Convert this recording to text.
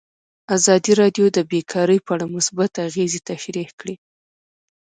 ازادي راډیو د بیکاري په اړه مثبت اغېزې تشریح کړي.